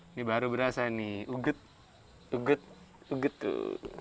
ini baru berasa nih ugut ugut tuh